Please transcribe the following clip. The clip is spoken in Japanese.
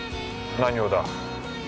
何をだ？